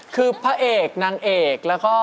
คือพระเอกนางเอกแล้วก็